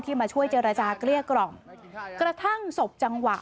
มาช่วยเจรจาเกลี้ยกล่อมกระทั่งศพจังหวะ